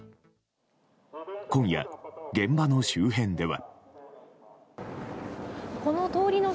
今夜、現場の周辺では。